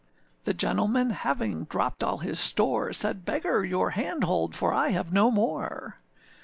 The gentleman having dropped all his store, Said, âBeggar! your hand hold, for I have no more.